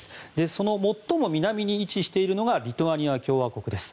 その最も南に位置しているのがリトアニア共和国です。